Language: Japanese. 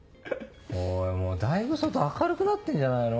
おいもうだいぶ外明るくなってんじゃないの？